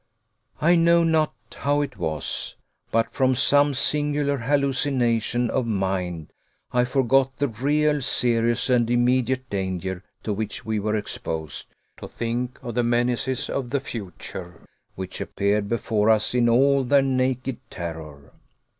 I know not how it was; but, from some singular hallucination of the mind, I forgot the real, serious, and immediate danger to which we were exposed, to think of the menaces of the future, which appeared before us in all their naked terror.